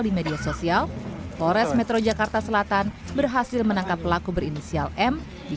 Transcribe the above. di media sosial forest metro jakarta selatan berhasil menangkap pelaku berinisial m di